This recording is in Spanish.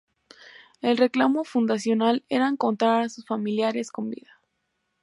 El reclamo fundacional era encontrar a sus familiares con vida.